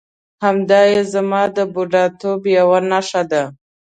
همدایې زما د بوډاتوب یوه نښه ده.